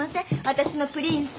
私のプリンス。